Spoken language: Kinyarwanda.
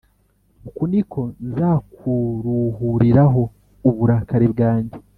Uku ni ko nzakuruhuriraho uburakari bwanjye